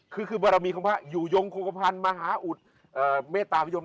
คือบรรมีของพระอยู่ยงโครงพันธ์มหาอุทธิ์เมตตาภยม